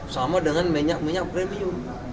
sama dengan minyak minyak premium